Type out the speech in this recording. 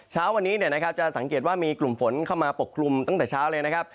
เช้าวันนี้จะสังเกตว่ามีกลุ่มฝนเข้ามาปกคลุมตั้งแต่เช้าเลยนะครับ